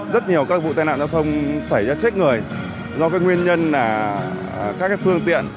rất nhiều các vụ tai nạn giao thông xảy ra chết người do cái nguyên nhân là các phương tiện